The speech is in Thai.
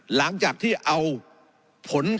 หลังจากที่เอาผล